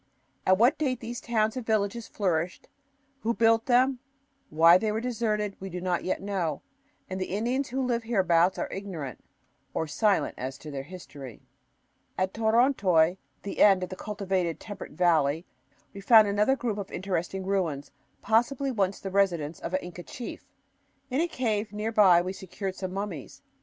At what date these towns and villages flourished, who built them, why they were deserted, we do not yet know; and the Indians who live hereabouts are ignorant, or silent, as to their history. At Torontoy, the end of the cultivated temperate valley, we found another group of interesting ruins, possibly once the residence of an Inca chief. In a cave near by we secured some mummies.